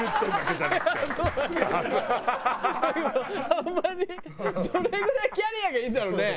あんまりどれぐらいキャリアがいるだろうね？